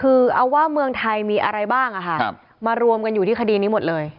คือเอาว่าเมืองไทยมีอะไรบ้างมารวมกันอยู่ที่คดีนี้หมดเลย